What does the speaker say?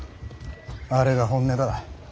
あれが本音だ。